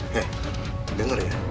hei denger ya